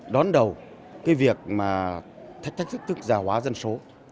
đầu cái việc mà thách thức giả hóa dân số